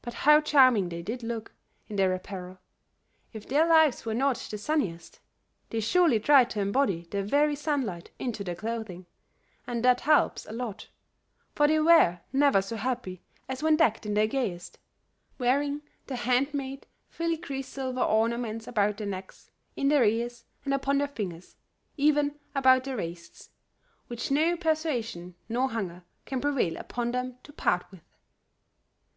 But how charming they did look in their apparel; if their lives were not the sunniest, they surely tried to embody the very sunlight into their clothing, and that helps a lot, for they were never so happy as when decked in their gayest, wearing the hand made filigree silver ornaments about their necks, in their ears and upon their fingers, even about their waists, which no persuasion nor hunger can prevail upon them to part with.